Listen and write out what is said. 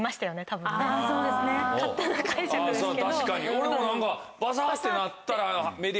俺も何かバサってなったら。